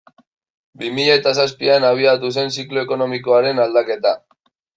Bi mila eta zazpian abiatu zen ziklo ekonomikoaren aldaketa.